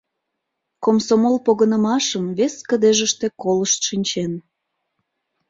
Комсомол погынымашым вес кыдежыште колышт шинчен.